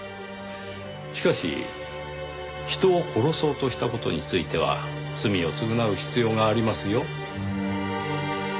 しかし人を殺そうとした事については罪を償う必要がありますよ。